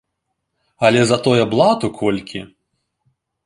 Але затое блату колькі!